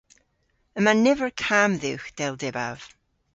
Yma niver kamm dhywgh dell dybav.